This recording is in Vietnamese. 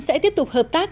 sẽ tiếp tục hợp tác